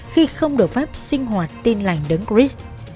khi không được pháp sinh hoạt tin lành đấng christ